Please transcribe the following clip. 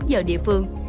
giờ địa phương